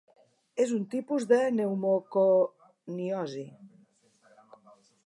És un tipus de pneumoconiosi.